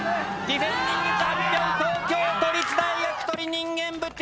・ディフェンディング・チャンピオン東京都立大学鳥人間部Ｔ−ＭＩＴ